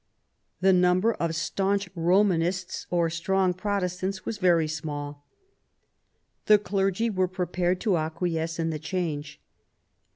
The number of staunch Romanists or strong Protestants was very small. The clergy were prepared to acquiesce in the change.